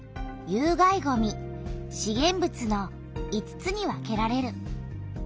有害ごみ資源物の５つに分けられる。